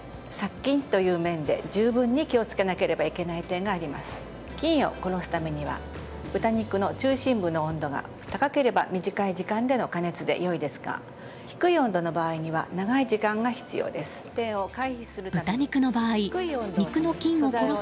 菌を殺すためには豚肉の中心部の温度が高ければ短い時間での加熱でいいですが低い温度の場合には長い時間が必要です。